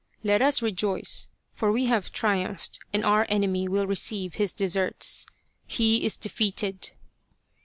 Let us rejoice, for we have triumphed and our enemy will receive his deserts he is defeated